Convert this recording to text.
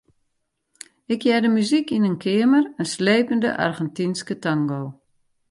Ik hearde muzyk yn in keamer, in slepende Argentynske tango.